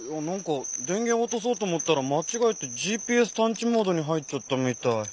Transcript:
なんか電源を落とそうと思ったら間違えてＧＰＳ探知モードに入っちゃったみたい。